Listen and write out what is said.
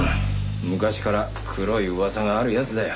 昔から黒い噂がある奴だよ。